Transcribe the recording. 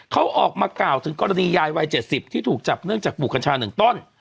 เขาออกมากล่าวถึงกรณียายวัย๗๐ที่ถูกจับเนื่องจากปลูกกัญชา๑ต้น